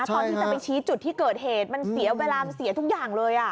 ตอนที่จะไปชี้จุดที่เกิดเหตุมันเสียเวลามันเสียทุกอย่างเลย